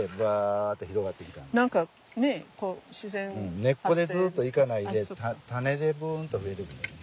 根っこでずっと行かないで種でぶんと増えてくるんよね。